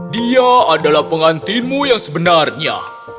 dia adalah pengantinmu yang sebenarnya